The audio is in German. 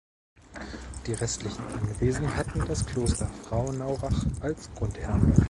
Die restlichen Anwesen hatten das Kloster Frauenaurach als Grundherrn.